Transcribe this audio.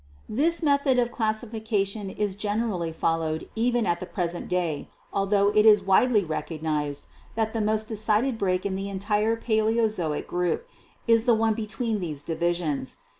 This HISTORICAL GEOLOGY 213 method of classification is generally followed even at the present day, altho it is widely recognised that the most decided break in the entire Paleozoic group is the one be tween these divisions.